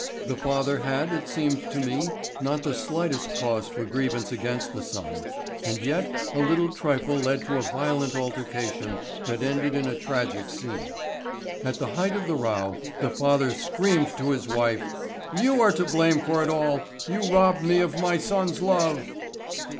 The father had, as it seemed to me, not the slightest cause for grievance against the son, and yet a little trifle led to a violent altercation that ended in a tragic scene. At the height of the row the father screamed to his wife: "You are to blame for it all! You robbed me of my son's love!"